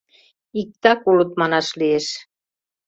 Иктак улыт манаш лиеш.